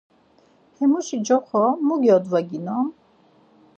Emuşi coxo mu gyodvaginon?